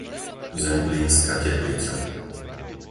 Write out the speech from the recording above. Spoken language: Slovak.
Zemplínska Teplica